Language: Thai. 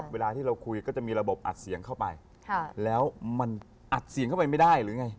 เวลาที่เราคุยก็จะมีระบบอัดเสียงเข้าไปแล้วมันอัดเสียงเข้าไปไม่ได้หรือไง